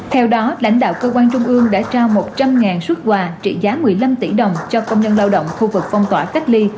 theo đó lãnh đạo cơ quan trung ương đã trao một trăm linh xuất quà trị giá một mươi năm tỷ đồng cho công nhân lao động khu vực phong tỏa cách ly